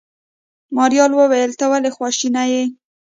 ماريا وويل ته ولې خواشيني يې.